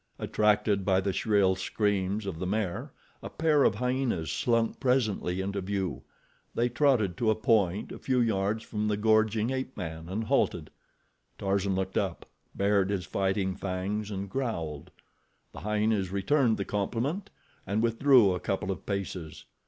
Attracted by the shrill screams of the mare, a pair of hyenas slunk presently into view. They trotted to a point a few yards from the gorging ape man, and halted. Tarzan looked up, bared his fighting fangs and growled. The hyenas returned the compliment, and withdrew a couple of paces.